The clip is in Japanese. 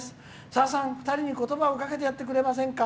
さださん、２人にことばをかけてやってくれませんか？」。